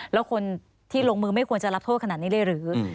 แล้วคนที่ลงมือไม่ควรจะรับโทษขนาดนี้เลยหรือ